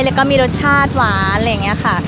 แล้วก็มีรสชาติหวานอะไรอย่างนี้ค่ะ